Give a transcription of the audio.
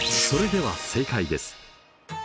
それでは正解です。